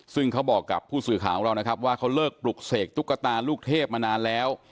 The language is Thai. ซึ่งเขาบอกกับผู้สื่อข่าวของเรานะครับว่าเขาเลิกปลุกเสกตุ๊กตาลูกเทพมานานแล้ว